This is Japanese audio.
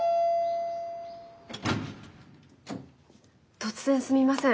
突然すみません。